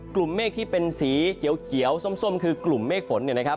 กลุ่มเมฆที่เป็นสีเขียวส้มคือกลุ่มเมฆฝน